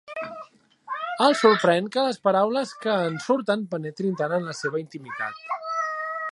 El sorprèn que les paraules que en surten penetrin tant en la seva intimitat.